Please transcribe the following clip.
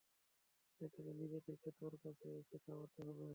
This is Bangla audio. এটাকে নিজে থেকে তোর কাছে এসে থামতে হবে।